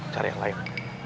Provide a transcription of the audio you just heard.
cari yang lain